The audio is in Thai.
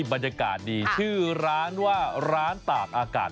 บรรยากาศดีชื่อร้านว่าร้านตากอากาศ